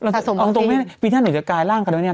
สะสวงไม่ได้ปีหน้าหนูจะกายร่างการอนุญาณ